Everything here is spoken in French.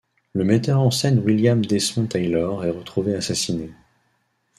Le metteur en scène William Desmond Taylor est retrouvé assassiné.